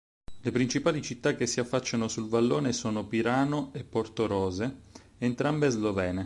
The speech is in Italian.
Le principali città che si affacciano sul vallone sono Pirano e Portorose, entrambe slovene.